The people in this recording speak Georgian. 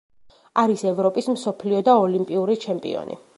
არის ევროპის, მსოფლიო და ოლიმპიური ჩემპიონი.